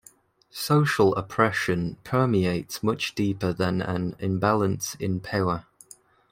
Social oppression permeates much deeper than an imbalance in power.